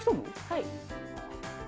はい。